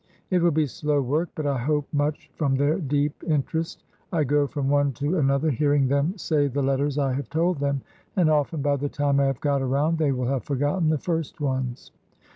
It will be slow work, but I hope much from their deep inter est. I go from one to another, hearing them say the letters I have told them ; and often, by the time I have got around, they will have forgotten the first ones.